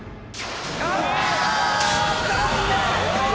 残念！